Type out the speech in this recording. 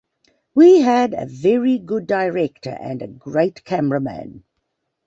We had a very good director and a great cameraman.